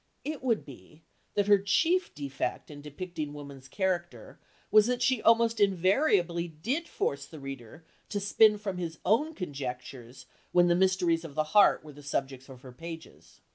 It would be that her chief defect in depicting woman's character was that she almost invariably did force the reader to spin from his own conjectures when the "mysteries of the heart" were the subject of her pages.